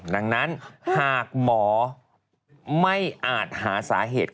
ดังนั้นหากหมอไม่อาจหาสาเหตุ